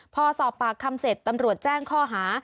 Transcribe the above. พอสอบปากคำเสร็จตำรวจแจ้งข้อหา